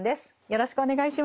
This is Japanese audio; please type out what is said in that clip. よろしくお願いします。